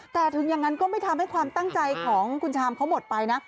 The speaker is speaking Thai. แต่ถึงอย่างนั้นก็ไม่ทำให้ความตั้งใจของคุณชามเขาหมดไปนะ